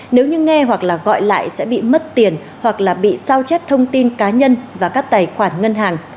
nếu như nghe hoặc là gọi lại sẽ bị mất tiền hoặc là bị sao chép thông tin cá nhân và các tài khoản ngân hàng